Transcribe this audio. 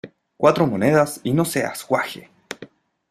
¡ cuatro monedas y no seas guaje!...